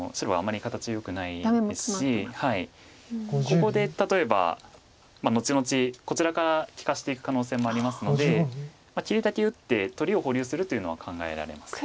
ここで例えば後々こちらから利かしていく可能性もありますので切りだけ打って取りを保留するというのは考えられます。